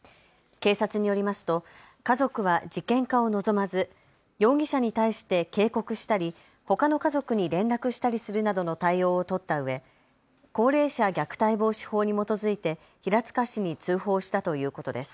警察によりますと家族は事件化を望まず容疑者に対して警告したりほかの家族に連絡したりするなどの対応を取ったうえ高齢者虐待防止法に基づいて平塚市に通報したということです。